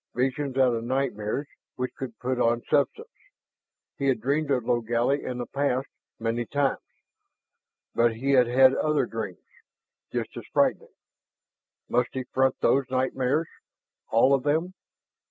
Visions out of nightmares which could put on substance! He had dreamed of Logally in the past, many times. And he had had other dreams, just as frightening. Must he front those nightmares, all of them